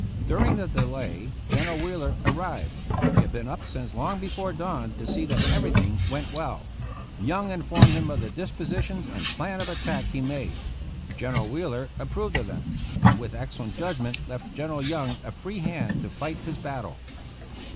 During the delay General Wheeler arrived; he had been up since long before dawn, to see that everything went well. Young informed him of the dispositions and plan of attack he made. General Wheeler approved of them, and with excellent judgment left General Young a free hand to fight his battle.